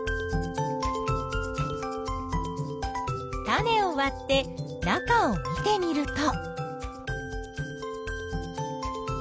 種をわって中を見てみると。